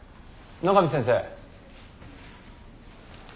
野上先生。